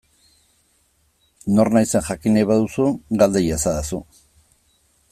Nor naizen jakin nahi baduzu, galde iezadazu.